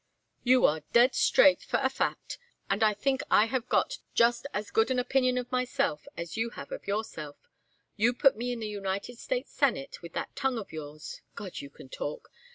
"You are dead straight, for a fact. And I think I have got just as good an opinion of myself as you have of yourself. You put me in the United States Senate with that tongue of yours God, you can talk!